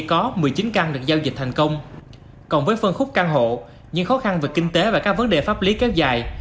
còn với phân khúc căn hộ những khó khăn về kinh tế và các vấn đề pháp lý kéo dài